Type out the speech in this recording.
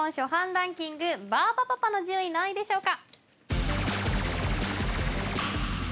ランキングバーバパパの順位何位でしょうか？